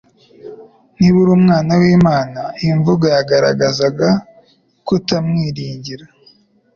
Niba uri umwana w'Imana.” Iyi ni imvugo yagaragazaga kutamwiringira